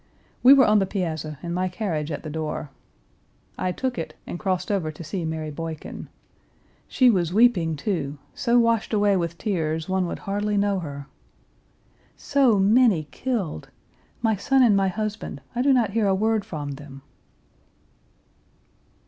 We were on the piazza and my carriage at the door. I took it and crossed over to see Mary Boykin. She was weeping, too, so washed away with tears one would hardly know her. "So many killed. My son and my husband I do not hear a word from them."